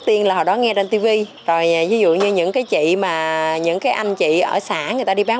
tiên là hồi đó nghe trên tv rồi ví dụ như những cái chị mà những cái anh chị ở xã người ta đi bán